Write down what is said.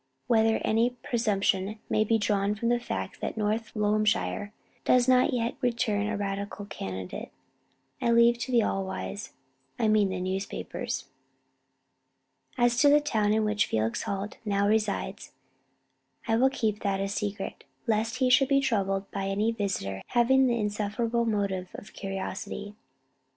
Whether any presumption may be drawn from the fact that North Loamshire does not yet return a Radical candidate, I leave to the all wise I mean the newspapers. As to the town in which Felix Holt now resides, I will keep that a secret, lest he should be troubled by any visitor having the insufferable motive of curiosity.